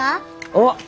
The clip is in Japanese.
おっ！